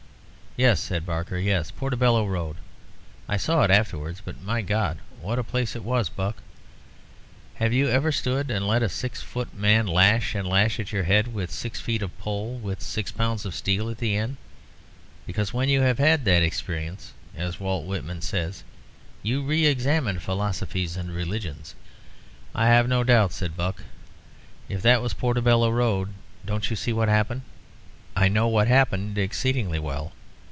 "Yes," said Barker "yes; Portobello Road. I saw it afterwards; but, my God, what a place it was! Buck, have you ever stood and let a six foot of man lash and lash at your head with six feet of pole with six pounds of steel at the end? Because, when you have had that experience, as Walt Whitman says, 'you re examine philosophies and religions.'" "I have no doubt," said Buck. "If that was Portobello Road, don't you see what happened?" "I know what happened exceedingly well.